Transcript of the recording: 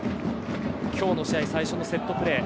今日の試合最初のセットプレー。